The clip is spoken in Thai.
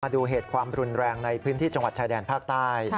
ดูเหตุความรุนแรงในพื้นที่จังหวัดชายแดนภาคใต้